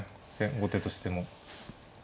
後手としても。